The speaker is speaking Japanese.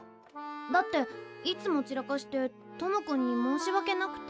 だっていつも散らかして友くんに申し訳なくて。